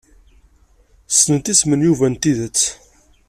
Ssnent isem n Yuba n tidet?